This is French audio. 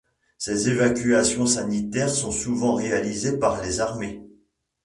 Ces évacuations sanitaires sont souvent réalisées par les armées.